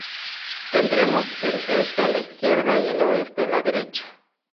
Tendremos el este a la izquierda y el oeste a la derecha.